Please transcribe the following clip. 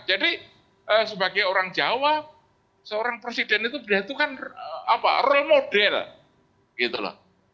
jadi sebagai orang jawa seorang presiden itu berhentukan role model